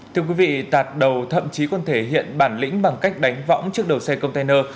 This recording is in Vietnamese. thưa quý vị tạt đầu thậm chí còn thể hiện bản lĩnh bằng cách đánh võng trước đầu xe container